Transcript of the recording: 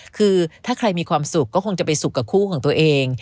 คือถ้าใครมีความสุขก็คงจะไปสุขกับคู่ของตัวเอง